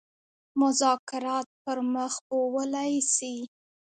مذاکرات پر مخ بېولای سي.